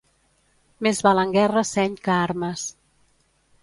Més val en guerra seny que armes.